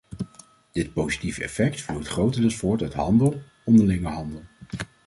Dit positieve effect vloeit grotendeels voort uit handel, onderlinge handel.